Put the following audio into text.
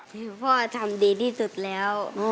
คุณพ่อน่าก็ทำดีที่นิดสุดแล้ว